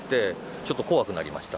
ちょっと怖くなりました。